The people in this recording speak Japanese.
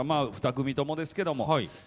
２組ともですけども。